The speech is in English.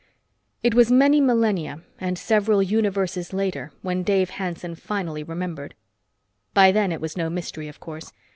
It was many millenia and several universes later when Dave Hanson finally remembered. By then it was no mystery, of course.